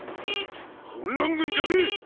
反乱軍じゃねえ！